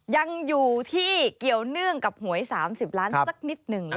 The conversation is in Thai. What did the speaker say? ยังอยู่ที่เกี่ยวเนื่องกับหวย๓๐ล้านสักนิดหนึ่ง